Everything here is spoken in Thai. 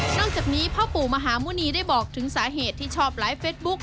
จากนี้พ่อปู่มหาหมุณีได้บอกถึงสาเหตุที่ชอบไลฟ์เฟสบุ๊ค